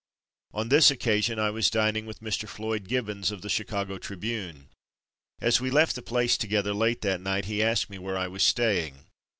'^ On this occasion I was dining with Mr. Floyd Gibbons of the Chicago Tribune, As we left the place together late that night, he asked me where I was staying.